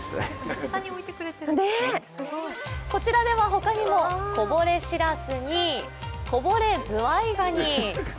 こちらでは他にもこぼれしらすにこぼれずわいがに。